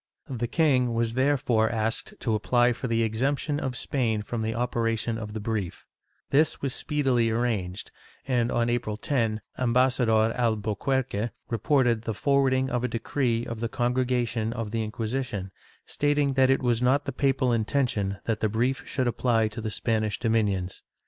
The king was therefore asked to apply for the exemption of Spain from the operation of the brief; this was speedily arranged and, on April 10, Ambassador Alburquerque reported the forwarding of a decree of the Congregation of the Inquisition, stating that it was not the papal intention that the brief should apply to the Spanish domin ions.